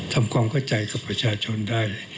ทำความเข้าใจกับประชาชนได้